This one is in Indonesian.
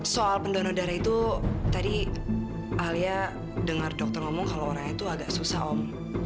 soal pendonor darah itu tadi alia dengar dokter ngomong kalau orangnya tuh agak susah om